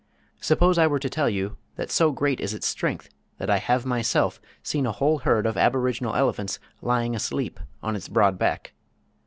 Suppose I were to tell you that so great is its strength that I have myself seen a whole herd of aboriginal elephants lying asleep upon its broad back?